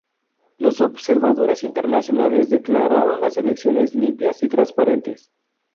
Los observadores internacionales declararon las elecciones limpias y transparentes.